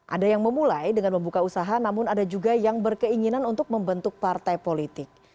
ada yang memulai dengan membuka usaha namun ada juga yang berkeinginan untuk membentuk partai politik